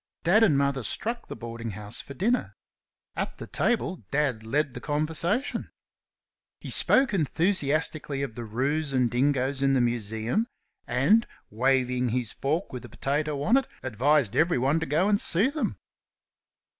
Dad and Mother struck the boarding house for dinner. At the table Dad led the conversation. He spoke enthusiastically of the 'roos and dingoes in the Museum, and, waving his fork with a potato on it, advised everyone to go and see them.